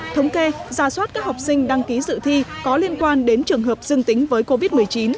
thống kê giả soát các học sinh đăng ký dự thi có liên quan đến trường hợp dương tính với covid một mươi chín